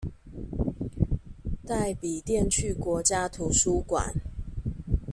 帶筆電去國家圖書館